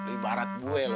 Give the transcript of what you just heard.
ibarat gue loh